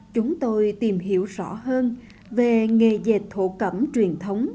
chúng tôi tìm hiểu rõ hơn về nghề dệt thổ cẩm truyền thống